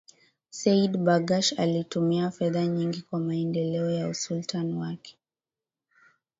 Seyyid Barghash alitumia fedha nyingi kwa maendeleo ya usultan wake